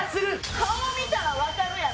顔見たらわかるやろ！